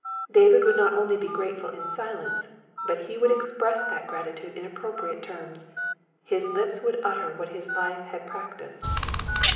David would not only be grateful in silence, but he would express that gratitude in appropriate terms : his lips would utter what his life had prac tised.